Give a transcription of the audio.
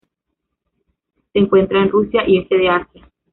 Se encuentra en Rusia y este de Asia.